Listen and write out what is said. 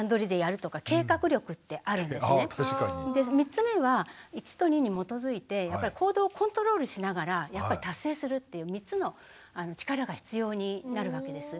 ３つ目は１と２に基づいて行動をコントロールしながら達成するっていう３つの力が必要になるわけです。